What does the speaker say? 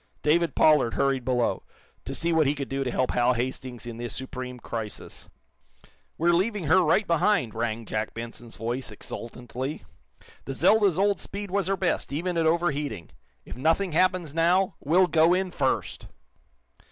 David Pollard hurried below, to see what he could do to help Hal Hastings in this supreme crisis. "We're leaving her right behind," rang Jack Benson's voice, exultantly. "The 'Zelda's' old speed was her best, even at overheating. If nothing happens, now, we'll go in first!"